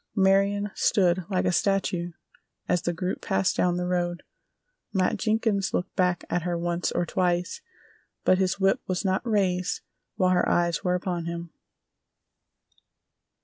Marion stood like a statue as the group passed down the road. Matt Jenkins looked back at her once or twice, but his whip was not raised while her eyes were upon him.